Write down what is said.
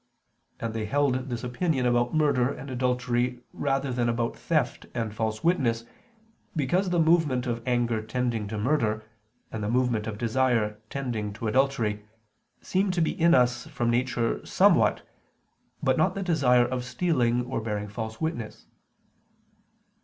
And they held this opinion about murder and adultery rather than about theft and false witness, because the movement of anger tending to murder, and the movement of desire tending to adultery, seem to be in us from nature somewhat, but not the desire of stealing or bearing false witness.